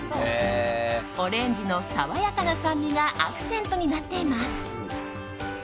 オレンジの爽やかな酸味がアクセントになっています。